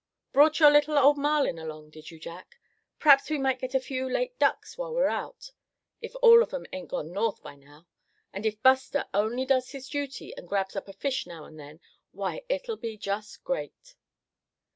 Brought your little old Marlin along, didn't you, Jack? P'raps we might get a few late ducks while we're out, if all of 'em ain't gone north by now. And if Buster only does his duty, and grabs up a fish now and then, why, it'll be just great."